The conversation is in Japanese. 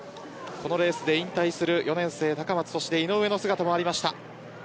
このレースで引退する４年生高松、井上の姿もありました。